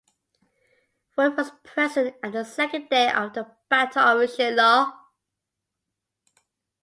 Wood was present at the second day of the Battle of Shiloh.